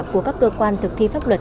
của các cơ quan thực thi pháp luật